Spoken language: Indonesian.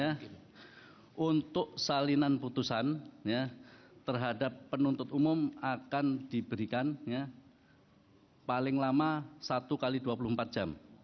ya untuk salinan putusan terhadap penuntut umum akan diberikan paling lama satu x dua puluh empat jam